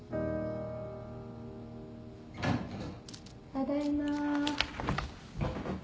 ・・ただいま。